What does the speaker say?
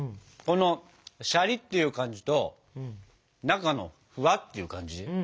このシャリッていう感じと中のふわっていう感じ。